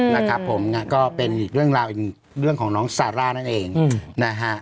นะครับผมก็เป็นเรื่องของน้องซาร่านั่นเองนะฮะ